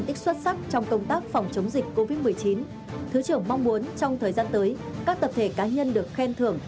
trong công tác phòng chống dịch covid một mươi chín thứ trưởng mong muốn trong thời gian tới các tập thể cá nhân được khen thưởng